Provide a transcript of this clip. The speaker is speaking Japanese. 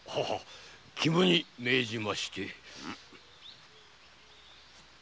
肝に銘じまして。